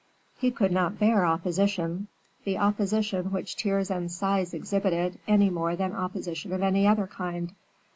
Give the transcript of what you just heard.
He could not bear opposition, the opposition which tears and sighs exhibited, any more than opposition of any other kind.